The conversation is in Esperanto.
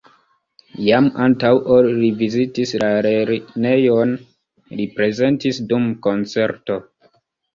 Jam antaŭ ol li vizitis la lernejon, li prezentis dum koncerto.